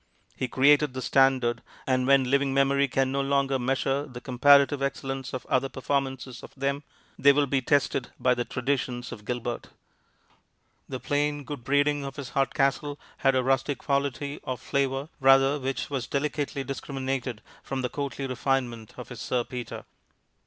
He created the standard, and when living memory can no longer measure the comparative excellence of other performances of them, they will be tested by the traditions of Gilbert. The plain good breeding of his Hardcastle had a rustic quality, or flavor, rather, which was delicately discriminated from the courtly refinement of his Sir Peter.